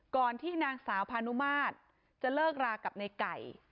ก่อนที่นางสาวพานุมาตรจะเลิกรากับในไก่